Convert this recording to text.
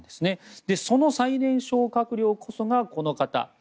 その最年少閣僚こそがこの方。